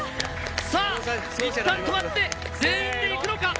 さあ、いったん止まって、全員でいくのか。